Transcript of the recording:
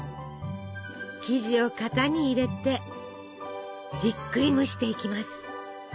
生地を型に入れてじっくり蒸していきます。